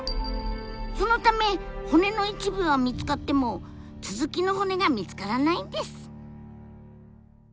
そのため骨の一部は見つかっても続きの骨が見つからないんです。